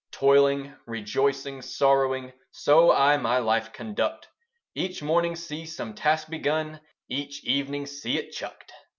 Toiling, rejoicing, sorrowing, So I my life conduct. Each morning see some task begun, Each evening see it chucked.